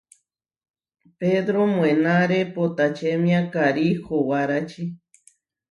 Pedró moenáre potačemia karí howaráči.